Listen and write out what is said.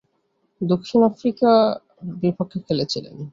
তিনি দক্ষিণ আফ্রিকার বিপক্ষে খেলেছিলেন।